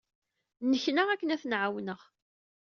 Nneknaɣ akken ad ten-ɛawneɣ.